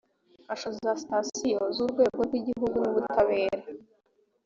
kasho za sitasiyo z urwego rw igihugu y ubutabera